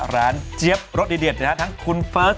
ร้านเจี๊ยบรสดีเด็ดทั้งคุณเฟิร์ส